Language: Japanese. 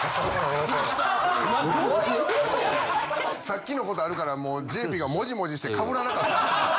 さっきの事あるからもうＪＰがモジモジして被らなかった。